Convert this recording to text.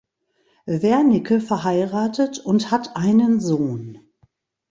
Wernicke verheiratet und hat einen Sohn.